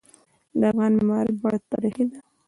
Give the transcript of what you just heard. د افغان معماری بڼه تاریخي ده.